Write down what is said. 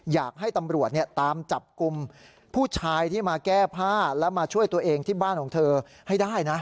อยากให้ตำรวจตามจับกลุ่มผู้ชายที่มาแก้ผ้าและมาช่วยตัวเองที่บ้านของเธอให้ได้นะ